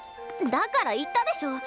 だから言ったでしょ！